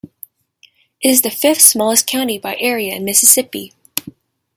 It is the fifth-smallest county by area in Mississippi.